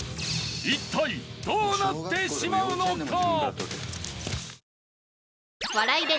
一体どうなってしまうのか？